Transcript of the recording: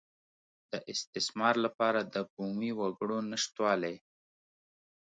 د استثمار لپاره د بومي وګړو نشتوالی.